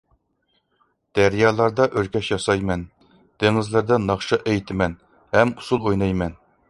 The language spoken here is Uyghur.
دەريالاردا ئۆركەش ياسايمەن، دېڭىزلاردا ناخشا ئېيتىمەن ھەم ئۇسسۇل ئوينايمەن.